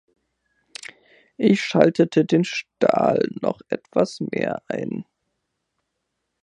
Ich schaltete den Stahl noch etwas mehr ein.